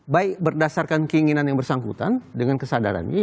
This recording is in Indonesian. baik berdasarkan keinginan yang bersangkutan dengan kesadarannya